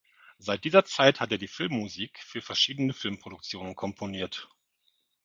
Seit dieser Zeit hat er die Filmmusik für verschiedene Filmproduktionen komponiert.